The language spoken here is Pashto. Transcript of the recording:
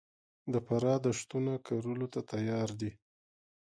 د فراه دښتونه کرلو ته تیار دي